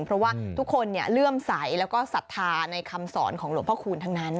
เพราะว่าทุกคนเลื่อมใสแล้วก็ศรัทธาในคำสอนของหลวงพ่อคูณทั้งนั้น